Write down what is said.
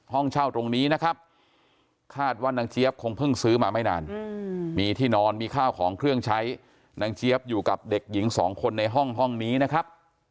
ห้องเช่าตรงนี้นะครับคาดว่านางเจี๊ยบคงเพิ่งซื้อมาไม่นานมีที่นอนมีข้าวของเครื่องใช้นางเจี๊ยบอยู่กับเด็กหญิงสองคนในห้องนี้นะครับ